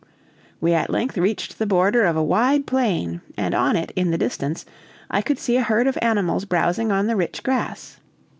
We at length reached the border of a wide plain, and on it, in the distance, I could see a herd of animals browsing on the rich grass.